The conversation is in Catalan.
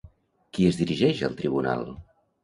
Qui es dirigeix al tribunal?